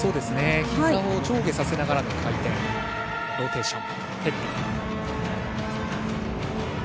膝を上下させながら回転のローテーション。